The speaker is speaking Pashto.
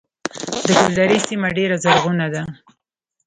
د ګلدرې سیمه ډیره زرغونه ده